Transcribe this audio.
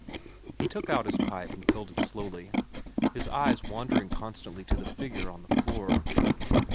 He took out his pipe and filled it slowly, his eyes wandering constantly to the figure on the floor.